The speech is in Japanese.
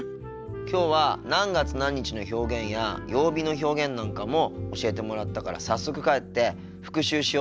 きょうは何月何日の表現や曜日の表現なんかも教えてもらったから早速帰って復習しようと思ってるよ。